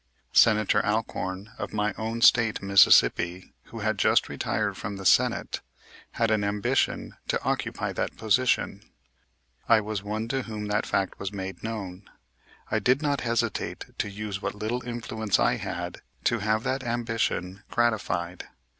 Senator Alcorn, of my own State, Mississippi, who had just retired from the Senate, had an ambition to occupy that position. I was one to whom that fact was made known. I did not hesitate to use what little influence I had to have that ambition gratified.